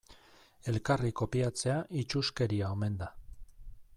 Elkarri kopiatzea itsuskeria omen da.